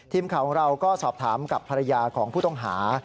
ทีมข่าวของเราก็สอบถามกับภรรยาของผู้ต้องหา